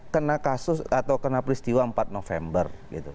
kena kasus atau kena peristiwa empat november